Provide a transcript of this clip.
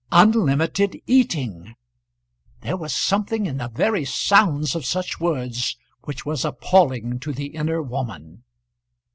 Unlimited eating! There was something in the very sounds of such words which was appalling to the inner woman.